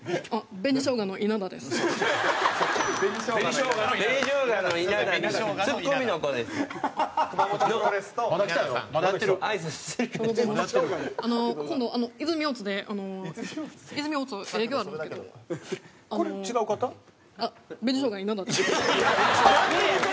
紅しょうが稲田です。